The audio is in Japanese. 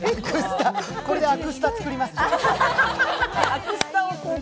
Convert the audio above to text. これでアクスタ作りますよ。